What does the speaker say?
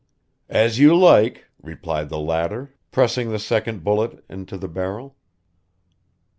"As you like," replied the latter, pressing the second bullet into the barrel.